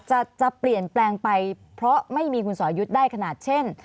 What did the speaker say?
จะเปลี่ยนแปลงไปเพราะไม่มีคุณสอยุทธ์ได้ขนาดเช่น